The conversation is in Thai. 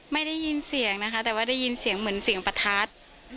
ไม่ได้ยินเสียงนะคะแต่ว่าได้ยินเสียงเหมือนเสียงประทัด